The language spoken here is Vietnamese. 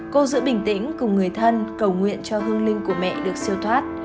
cô giữ bình tĩnh cùng người thân cầu nguyện cho hương linh của mẹ được siêu thoát